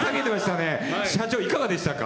社長、いかがでしたか？